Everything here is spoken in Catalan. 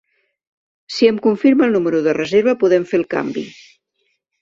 Si em confirma el número de reserva podem fer el canvi.